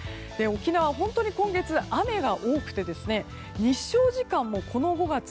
沖縄は本当に今月、雨が多くて日照時間もこの５月